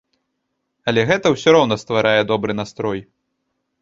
Але гэта ўсё роўна стварае добры настрой.